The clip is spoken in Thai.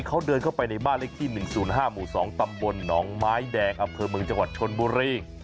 เขาเดินเข้าไปในบ้านเลขที่๑๐๕หมู่๒ตำบลหนองไม้แดงอำเภอเมืองจังหวัดชนบุรี